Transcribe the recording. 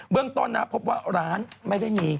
เรื่องต้นนะพบว่าร้านไม่ได้มี